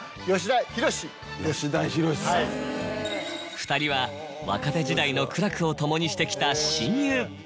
２人は若手時代の苦楽を共にしてきた。